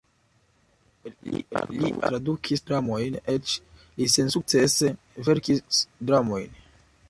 Li ankaŭ tradukis dramojn, eĉ li sensukcese verkis dramojn.